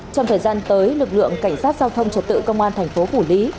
trong thời gian tới lực lượng cảnh sát giao thông trật tự công an thành phố phủ lý